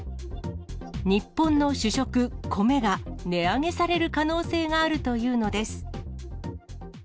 日本の主食、米が値上げされる可能性があるというのです。